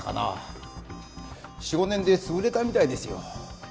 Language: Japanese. ４５年で潰れたみたいですよ。